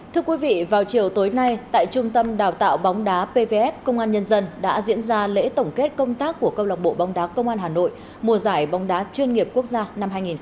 thưa quý vị vào chiều tối nay tại trung tâm đào tạo bóng đá pvf công an nhân dân đã diễn ra lễ tổng kết công tác của câu lạc bộ bóng đá công an hà nội mùa giải bóng đá chuyên nghiệp quốc gia năm hai nghìn hai mươi ba